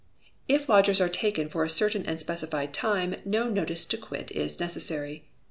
If lodgings are taken for a certain and specified time, no notice to quit is necessary.